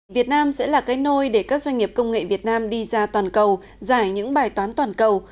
việt nam sẽ là cái nôi để các doanh nghiệp công nghệ việt nam đi ra toàn cầu giải những bài toán toàn cầu